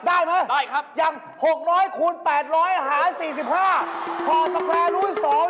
ได้ไหมอย่าง๖๐๐คูณ๘๐๐หา๔๕กิโลกรัมฟอร์สแฟรร์รุ่น๒